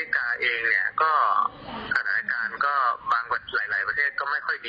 จะไว้ใจบริษัททัวร์อย่างเดียวก็ไม่ได้เราและตอนนี้นะครับ